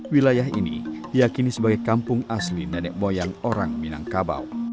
wilayah ini diakini sebagai kampung asli nenek moyang orang minangkabau